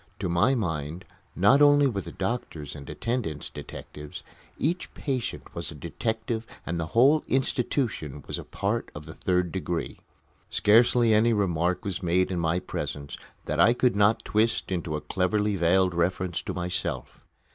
To my mind, not only were the doctors and attendants detectives; each patient was a detective and the whole institution was a part of the Third Degree. Scarcely any remark was made in my presence that I could not twist into a cleverly veiled reference to myself.